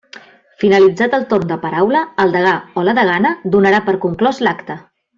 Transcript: Finalitzat el torn de paraula, el degà o la degana donarà per conclòs l'acte.